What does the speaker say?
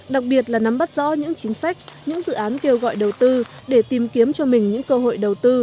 đặc biệt là nắm bắt rõ những chính sách những dự án kêu gọi đầu tư để tìm kiếm cho mình những cơ hội đầu tư